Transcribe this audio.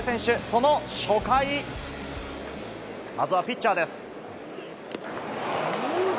その初回、まずはピッチャーです。